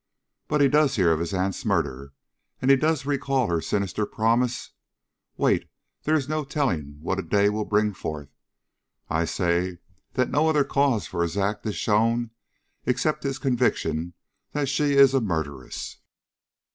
But he does hear of his aunt's murder, and he does recall her sinister promise: 'Wait; there is no telling what a day will bring forth.' I say that no other cause for his act is shown except his conviction that she is a murderess."